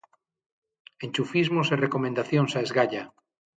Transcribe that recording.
Enchufismos e recomendacións a esgalla.